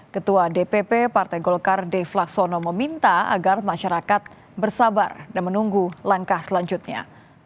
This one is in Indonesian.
ketua dpp partai golkar dev laksono meminta agar masyarakat bersabar dan menunggu langkah selanjutnya